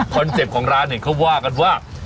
เป็ปต์ของร้านเนี่ยเขาว่ากันว่า